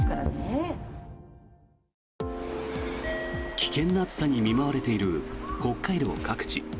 危険な暑さに見舞われている北海道各地。